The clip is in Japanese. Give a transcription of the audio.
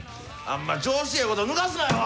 あんま調子ええことぬかすなよ！